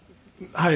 はい。